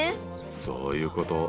そういうこと。